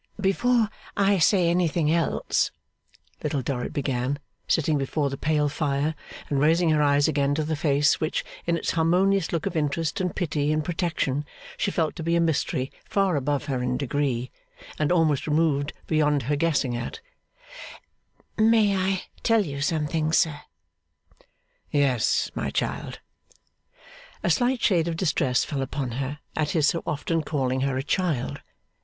'Before I say anything else,' Little Dorrit began, sitting before the pale fire, and raising her eyes again to the face which in its harmonious look of interest, and pity, and protection, she felt to be a mystery far above her in degree, and almost removed beyond her guessing at; 'may I tell you something, sir?' 'Yes, my child.' A slight shade of distress fell upon her, at his so often calling her a child.